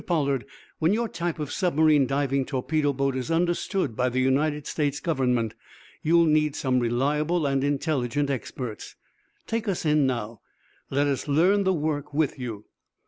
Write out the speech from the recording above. Pollard, when your type of submarine diving torpedo boat is understood by the United States Government you'll need some reliable and intelligent experts. Take us in now. Let us learn the work with you.